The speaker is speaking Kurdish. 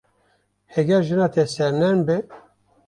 Heger jina te sernerm be.